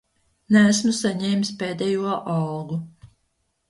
Neesmu saņēmis pēdējo algu.